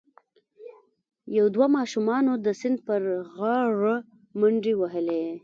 یو دوه ماشومانو د سیند پر غاړه منډې وهلي.